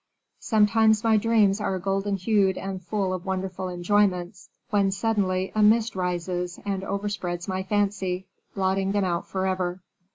Sometimes my dreams are golden hued and full of wonderful enjoyments, when suddenly a mist rises and overspreads my fancy, blotting them out forever.